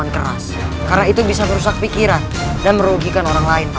aku tak peduli masyarakat mau mabuk atau gila